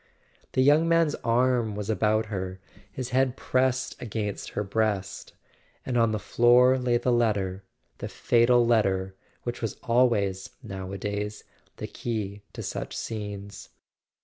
The young man's arm was about her, his head pressed against her breast; and on the floor lay the letter, the fatal letter which was always, nowadays, the key to such scenes.